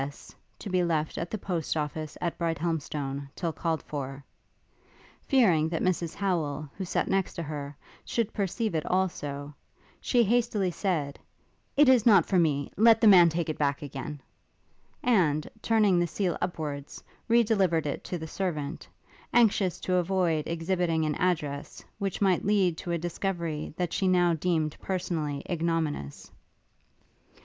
S., to be left at the post office at Brighthelmstone till called for," fearing that Mrs Howel, who sat next to her, should perceive it also, she hastily said, 'It is not for me; let the man take it back again;' and, turning the seal upwards, re delivered it to the servant; anxious to avoid exhibiting an address, which might lead to a discovery that she now deemed personally ignominious.